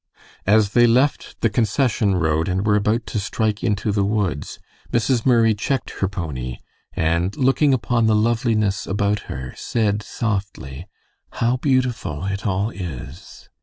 As they left the concession road and were about to strike into the woods, Mrs. Murray checked her pony, and looking upon the loveliness about her, said, softly, "How beautiful it all is!"